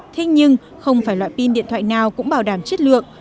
thế nhưng không phải loại pin điện thoại nào cũng bảo đảm chất lượng